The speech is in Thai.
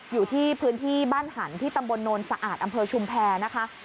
อยู่ที่พื้นที่บ้านหันที่ตำบลโนนสะอาดอำเภอชุมแพรนะคะ